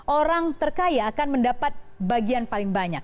orang terkaya akan mendapat bagian paling banyak